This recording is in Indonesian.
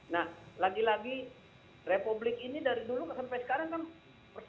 nah lagi lagi republik ini dari dulu sampai sekarang kan persoalan kita yang utama itu kan koordinasi sebetulnya